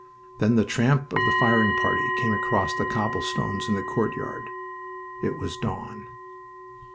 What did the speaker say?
Then the tramp of the firing party came across the cobblestones in the courtyard. It was dawn.